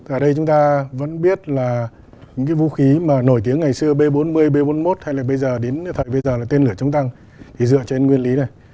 ở đây chúng ta vẫn biết là những cái vũ khí mà nổi tiếng ngày xưa b bốn mươi b bốn mươi một hay là bây giờ đến thời bây giờ là tên lửa chống tăng thì dựa trên nguyên lý này